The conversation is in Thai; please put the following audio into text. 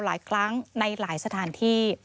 หลายครั้งในหลายสถานที่